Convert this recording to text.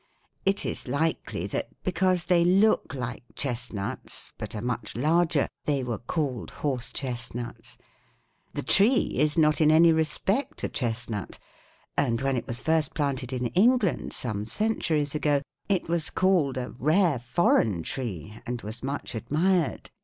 It is likely that because they look like chestnuts, but are much larger, they were called 'horse chestnuts,' The tree is not in any respect a chestnut; and when it was first planted in England, some centuries ago, it was called 'a rare foreign tree,' and was much admired.